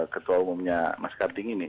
ketua umumnya mas karding ini